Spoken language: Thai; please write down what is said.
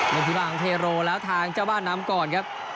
ในทีมของเทโรแล้วทางเจ้าบ้านน้ำก่อนครับ